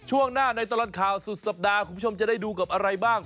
ช่วงหน้าในตลอดข่าวสุดสัปดาห์คุณผู้ชมจะได้ดูกับอะไรบ้าง